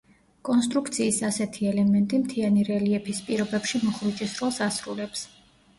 კონსტრუქციის ასეთი ელემენტი მთიანი რელიეფის პირობებში მუხრუჭის როლს ასრულებს.